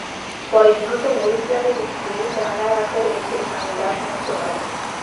পরে নিহত নূর ইসলামের স্ত্রী জাহানারা আক্তার এসে স্বামীর লাশ শনাক্ত করেন।